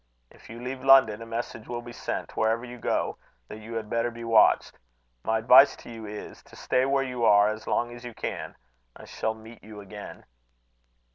If you leave London, a message will be sent, wherever you go, that you had better be watched. My advice to you is, to stay where you are as long as you can. I shall meet you again."